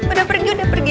udah pergi udah pergi